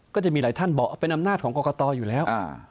ก็จะมีหลายท่านบอกเป็นอำนาจของกรกตอยู่แล้ว